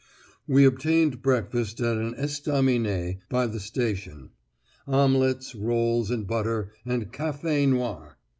We obtained breakfast at an estaminet by the station; omelettes, rolls and butter, and café noir.